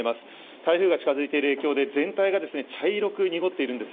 台風が近づいている影響で全体が茶色く濁っているんです。